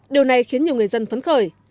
điều này khiến nhiều người dân phấn khởi